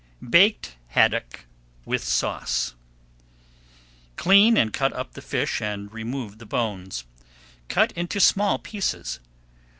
BAKED HADDOCK WITH SAUCE Clean and cut up the fish, and remove the [Page 164] bones. Cut into small pieces.